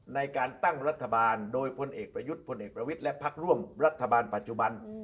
ในการตั้งรัฐบาลโดยพลเอกประยุทธ์พลเอกประวิทย์และพักร่วมรัฐบาลปัจจุบัน